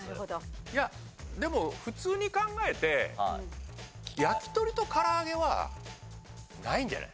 でも普通に考えてやきとりとからあげはないんじゃない？